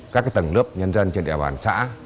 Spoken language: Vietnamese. các tầng lớp nhân dân trên đại bản xã